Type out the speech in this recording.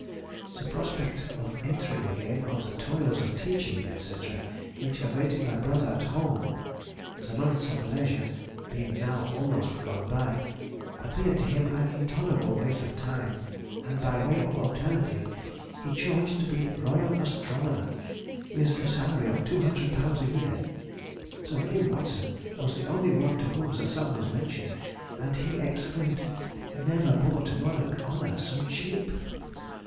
The prospect of entering again on the toils of teaching, &c., which awaited my brother at home (the months of leisure being now almost gone by), appeared to him an intolerable waste of time, and by way of alternative he chose to be Royal Astronomer, with a salary of £200 a year. Sir William Watson was the only one to whom the sum was mentioned, and he exclaimed, "Never bought monarch honour so cheap!"